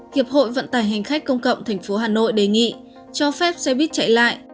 hiệp hội vận tải hành khách công cộng tp hà nội đề nghị cho phép xe buýt chạy lại